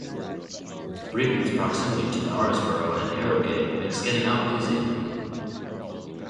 Breaton's proximity to Knaresborough and Harrogate makes getting out easy.